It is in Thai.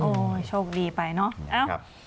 โอ้โหโชคดีไปเนอะ